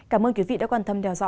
cảm ơn quý vị đã quan tâm đeo dõi